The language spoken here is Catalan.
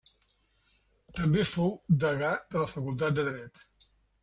També fou degà de la Facultat de Dret.